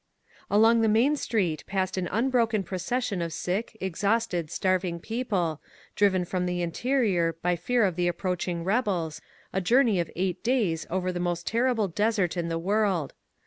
Along the main street passed an unbroken proces sion of sick, exhausted, starving people, driven from the interior by fear of the approaching rebels, a jour ney of eight days over the most terrible desert in the world.